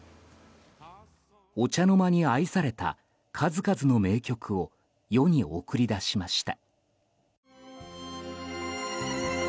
お茶の間に愛された数々の名曲を世に送り出しました。